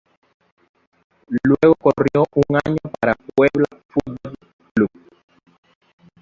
Luego corrió un año para Puebla Fútbol Club.